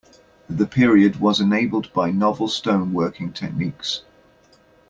The period was enabled by novel stone working techniques.